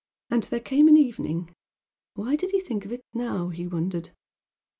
And there came an evening why did he think of it now, he wondered?